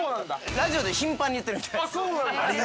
◆ラジオで頻繁に言ってるみたいですよ。